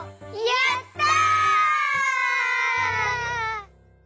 やった！